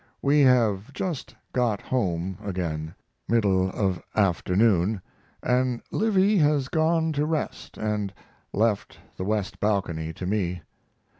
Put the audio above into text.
We have just got home again, middle of afternoon, and Livy has gone to rest and left the west balcony to me.